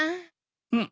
うん？